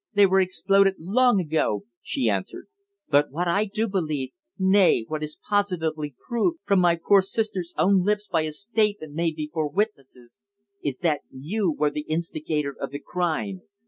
They were exploded long ago," she answered. "But what I do believe nay, what is positively proved from my poor sister's own lips by a statement made before witnesses is that you were the instigator of the crime.